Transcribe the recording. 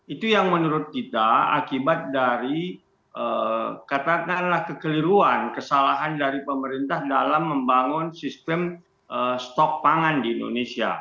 itu yang menurut kita akibat dari katakanlah kekeliruan kesalahan dari pemerintah dalam membangun sistem stok pangan di indonesia